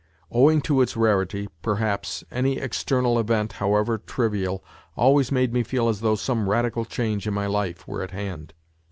Owing to its rarity, per haps, any external event, however trivial, always made me feel as though some radical change in my life were at hand.